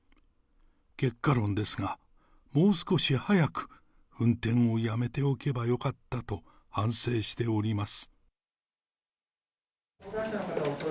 結果論ですが、もう少し早く運転をやめておけばよかったと、反省しております。